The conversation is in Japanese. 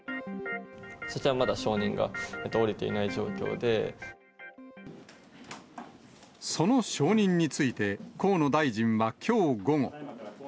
そちらもまだ承認が下りていその承認について、河野大臣はきょう午後。